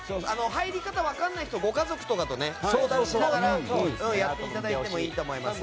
入り方が分からない人はご家族とかと相談しながらやっていただいてもいいと思います。